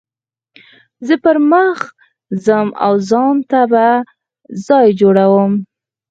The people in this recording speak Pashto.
زه به پر مخ ځم او ځان ته به ځای جوړوم.